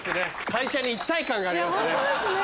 会社に一体感がありますね。